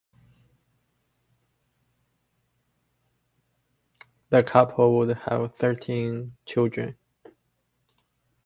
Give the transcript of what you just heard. The couple would have thirteen children.